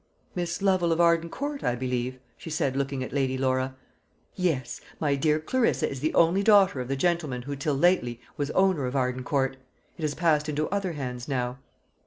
"Miss Lovel of Arden Court, I believe?" she said, looking at Lady Laura. "Yes; my dear Clarissa is the only daughter of the gentleman who till lately was owner of Arden Court. It has passed into other hands now."